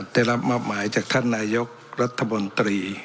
ได้รับมอบหมายจากท่านนายกรัฐมนตรี